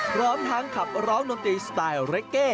พร้อมทั้งขับร้องดนตรีสไตล์เรกเก้